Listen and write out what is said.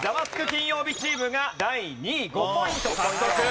金曜日チームが第２位５ポイント獲得。